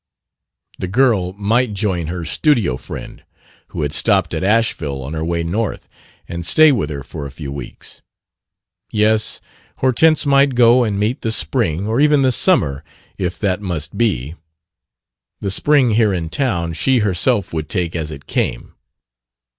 The girl might join her studio friend, who had stopped at Asheville on her way North, and stay with her for a few weeks. Yes, Hortense might go and meet the spring or even the summer, if that must be. The spring here in town she herself would take as it came.